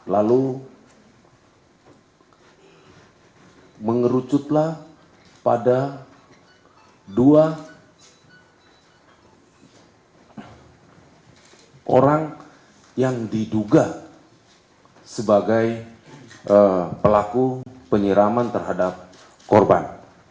lalu mengerucutlah pada dua orang yang diduga sebagai pelaku penyiraman terhadap korban